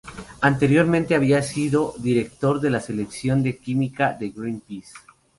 Anteriormente había sido director de la sección de química de Greenpeace.